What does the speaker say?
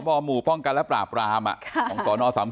พบมปกันและปราบรามของสนสนะครับ